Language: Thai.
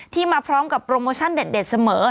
มาพร้อมกับโปรโมชั่นเด็ดเสมอ